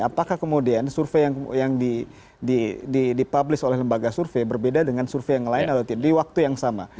apakah kemudian survei yang dipublish oleh lembaga survei berbeda dengan survei yang lain atau tidak di waktu yang sama